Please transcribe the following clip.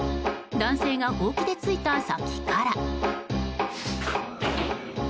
男性がほうきでついた先から。